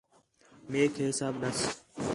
میک ہے سب ݙَس